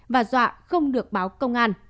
và dọa không được báo công an